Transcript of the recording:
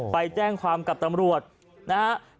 ไปแจ้งความกับตำรวจนะครับ